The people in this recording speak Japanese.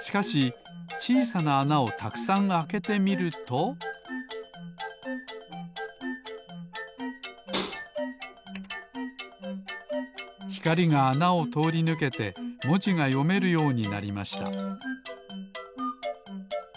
しかしちいさなあなをたくさんあけてみるとひかりがあなをとおりぬけてもじがよめるようになりました